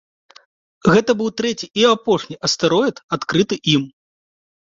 Гэта быў трэці і апошні астэроід, адкрыты ім.